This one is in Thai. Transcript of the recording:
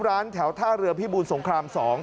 ร้านแถวท่าเรือพิบูรสงคราม๒